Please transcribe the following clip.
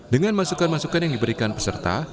dengan masukan masukan yang diberikan peserta